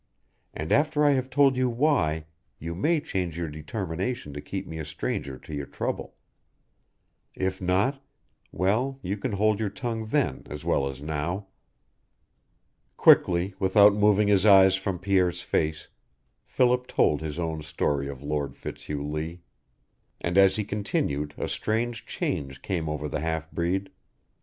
And after I have told you why you may change your determination to keep me a stranger to your trouble. If not well, you can hold your tongue then as well as now." Quickly, without moving his eyes from Pierre's face, Philip told his own story of Lord Fitzhugh Lee. And as he continued a strange change came over the half breed.